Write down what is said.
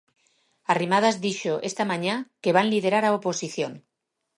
Arrimadas dixo esta mañá que van liderar a oposición.